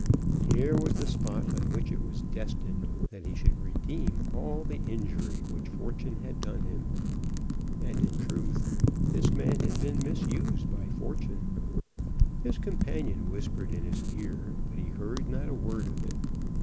Here was the spot on which it was destined that he should redeem all the injury which fortune had done him. And in truth this man had been misused by fortune. His companion whispered in his ear, but he heard not a word of it.